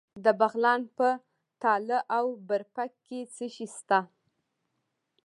د بغلان په تاله او برفک کې څه شی شته؟